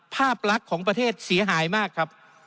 ภาพลักษณ์ของประเทศเสียหายมากครับ